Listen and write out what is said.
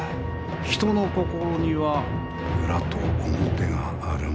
人の心には裏と表があるものぞ。